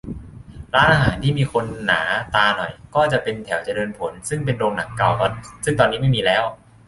ร้านอาหารที่มีคนหนาตาหน่อย ก็จะเป็นแถวเจริญผล ซึ่งเป็นโรงหนังเก่าซึ่งตอนนี้ไม่มีแล้ว